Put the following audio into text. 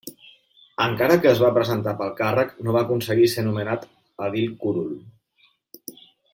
Encara que es va presentar pel càrrec, no va aconseguir ser nomenat edil curul.